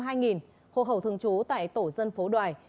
hộ khẩu thường trú tại tổ dân phố đoài